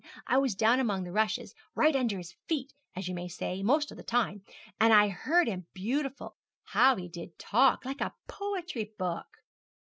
I was down among the rushes, right under his feet, as you may say, most of the time, and I heerd him beautiful. How he did talk; like a poetry book!'